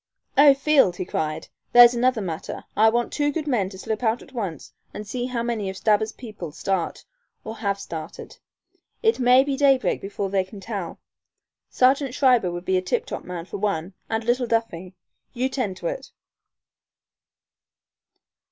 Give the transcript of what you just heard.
"Oh, Field," he cried, "there's another matter. I want two good men to slip out at once and see how many of Stabber's people start or have started. It may be daybreak before they can tell. Sergeant Schreiber would be a tiptop man for one and little Duffy. You 'tend to it."